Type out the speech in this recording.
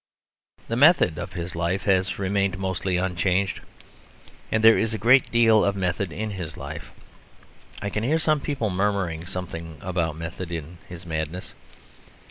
The method of his life has remained mostly unchanged. And there is a great deal of method in his life; I can hear some people murmuring something about method in his madness.